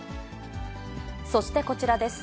そしてこちらです。